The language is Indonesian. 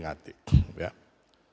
ini yang perlu kita ringati